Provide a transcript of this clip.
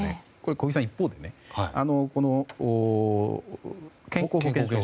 小木さん一方で健康保険証。